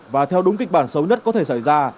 và theo đúng kịch bản xấu nhất có thể xảy ra